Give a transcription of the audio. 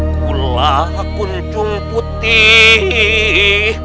kulah kunjung putih